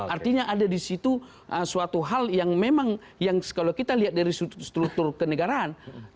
artinya ada di situ suatu hal yang memang yang kalau kita lihat dari struktur kenegaraan